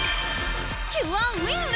キュアウィング！